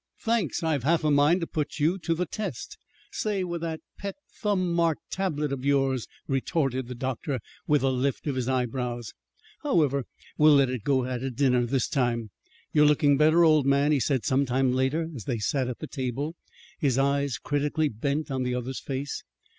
"Thanks. I've half a mind to put you to the test say with that pet thumb marked tablet of yours," retorted the doctor, with a lift of his eyebrows. "However, we'll let it go at a dinner this time. You're looking better, old man," he said some time later, as they sat at the table, his eyes critically bent on the other's face.